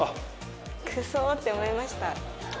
「クソ！」って思いました。